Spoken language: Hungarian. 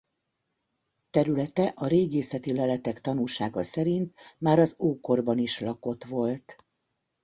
Területe a régészeti leletek tanúsága szerint már az ókorban is lakott volt.